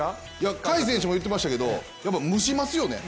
甲斐選手も言っていましたけれども蒸しますよね。